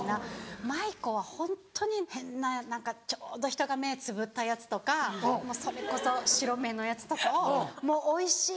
舞子はホントに変なちょうど人が目つぶったやつとかそれこそ白目のやつとかをおいしい！